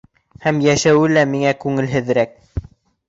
Һәм йәшәүе лә миңә күңелһеҙерәк.